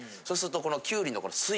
そうするとこの。